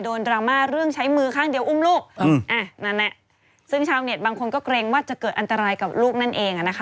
ดราม่าเรื่องใช้มือข้างเดียวอุ้มลูกนั่นแหละซึ่งชาวเน็ตบางคนก็เกรงว่าจะเกิดอันตรายกับลูกนั่นเองอะนะคะ